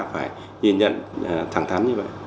phải nhìn nhận thẳng thắn như vậy